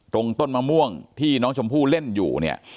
ต้นมะม่วงที่น้องชมพู่เล่นอยู่เนี่ย